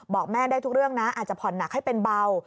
บอกแม่ได้ทุกเรื่องนะอาจจะผ่อนหนักให้เป็นเบา